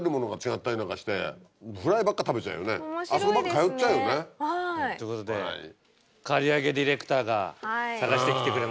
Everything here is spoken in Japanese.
通っちゃうよね。ということで刈り上げディレクターが探してきてくれました。